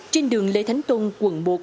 trên đường lê thánh tùng quận một